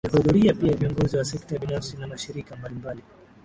Walihudhuria pia viongozi wa sekta binafisi na Mashirika mbalimbali